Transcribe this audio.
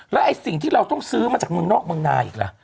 แล้วไอ้สิ่งที่เราต้องซื้อมาจากเมืองนอกเมืองนาอีกล่ะ